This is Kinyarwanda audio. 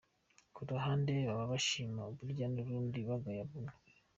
Ku ruhande baba bashima Burya, ku rundi bagaya Buno.